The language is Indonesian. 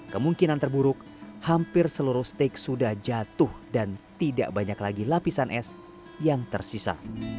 kemungkinan terburuk hampir seluruh steak sudah jatuh dan tidak banyak lagi lapisan es yang tersisa